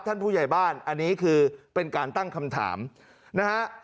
ท่านผู้ใหญ่บ้านอันนี้คือเป็นการตั้งคำถามนะฮะ